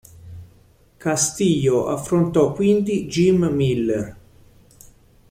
Castillo affrontò quindi Jim Miller.